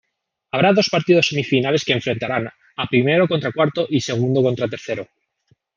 Habrá dos partidos semifinales que enfrentarán a primero contra cuarto y segundo contra tercero.